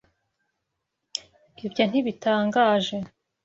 Ibyo ntibintangaje. (